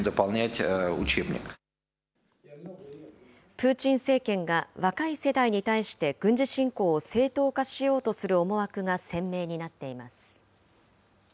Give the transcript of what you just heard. プーチン政権が若い世代に対して、軍事侵攻を正当化しようとする思惑が鮮明になっています。